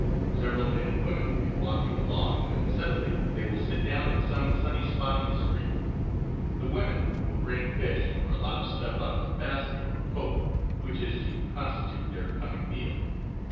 Several men and women will be walking along, when suddenly they will sit down in some sunny spot on the street. The women will bring fish or a lot of stuff out of a basket or poke, which is to constitute their coming meal.